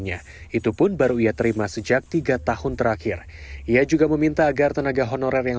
nya itu pun baru ia terima sejak tiga tahun terakhir ia juga meminta agar tenaga honorer yang